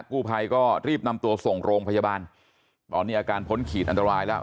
กู้ภัยก็รีบนำตัวส่งโรงพยาบาลตอนนี้อาการพ้นขีดอันตรายแล้ว